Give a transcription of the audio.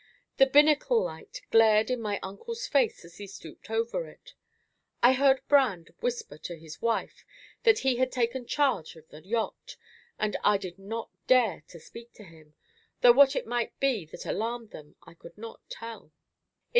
The binnacle light glared in my uncle's face as he stooped over it. I heard Brand whisper to his wife that he had taken charge of the yacht, and I did not dare to speak to him, though what it might be that alarmed them I could not tell.